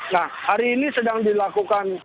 nah hari ini sedang dilakukan